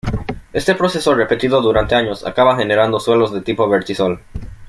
Este proceso repetido durante años acaba generando suelos de tipo vertisol.